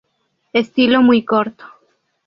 Estilo muy corto.